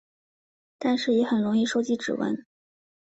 但是也很容易收集指纹。